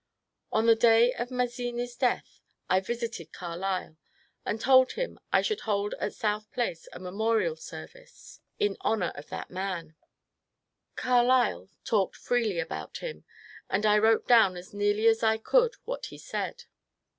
On the day of Mazzini's death I visited Carlyle, and told him I should hold at South Place a memorial service in VOL. II 66 MONCURE DANIEL CONWAY honour of that man. Carlyle talked freely aboat him, and I wrote down as nearly as I could what he said.